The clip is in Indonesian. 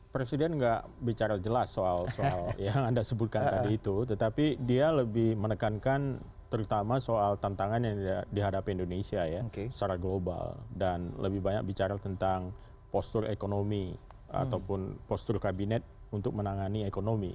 presiden nggak bicara jelas soal soal yang anda sebutkan tadi itu tetapi dia lebih menekankan terutama soal tantangan yang dihadapi indonesia ya secara global dan lebih banyak bicara tentang postur ekonomi ataupun postur kabinet untuk menangani ekonomi